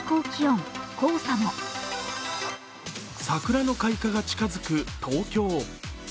桜の開花が近づく東京。